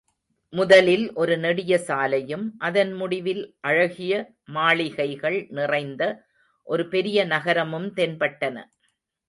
முதலில் ஒரு நெடிய சாலையும், அதன் முடிவில் அழகிய மாளிகைகள் நிறைந்த ஒரு பெரிய நகரமும் தென்பட்டன.